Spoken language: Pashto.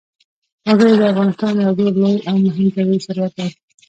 وګړي د افغانستان یو ډېر لوی او مهم طبعي ثروت دی.